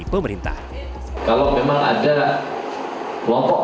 kalau memang ada kelompok masyarakat yang tidak sependapat